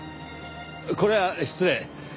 これは失礼。